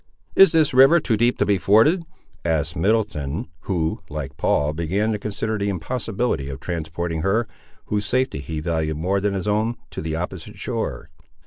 "Is this river too deep to be forded?" asked Middleton, who, like Paul, began to consider the impossibility of transporting her, whose safety he valued more than his own, to the opposite shore.